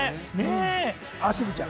あ、しずちゃん。